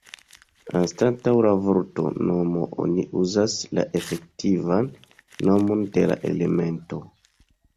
Anstataŭ la vorto "nomo" oni uzas la efektivan nomon de la elemento.